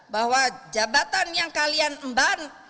bahwa jabatan yang kalian emban